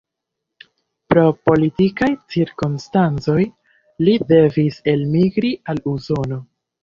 Pro politikaj cirkonstancoj li devis elmigri al Usono.